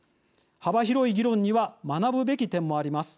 幅広い議論には学ぶべき点もあります。